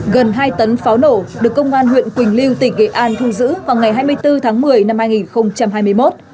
gần hai tấn pháo nổ được công an huyện quỳnh lưu tỉnh nghệ an thu giữ vào ngày hai mươi bốn tháng một mươi năm hai nghìn hai mươi một